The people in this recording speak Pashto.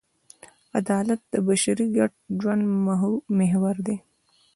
عدالت د بشري ګډ ژوند محور دی.